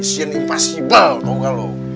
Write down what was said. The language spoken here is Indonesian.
isian impossible tau gak lu